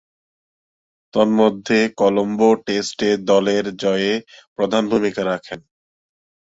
তন্মধ্যে, কলম্বো টেস্টে দলের জয়ে প্রধান ভূমিকা রাখেন।